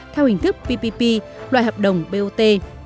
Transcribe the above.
theo hình thức ppp loại hợp đồng bot